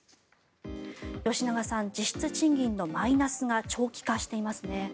吉永さん、実質賃金のマイナスが長期化していますね。